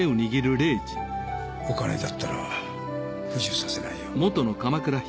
お金だったら不自由させないよ